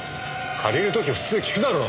借りる時普通聞くだろう！